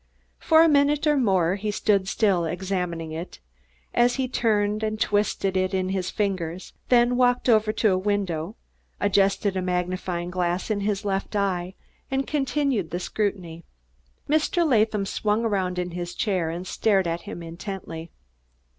For a minute or more he stood still, examining it, as he turned and twisted it in his fingers, then walked over to a window, adjusted a magnifying glass in his left eye and continued the scrutiny. Mr. Latham swung around in his chair and stared at him intently.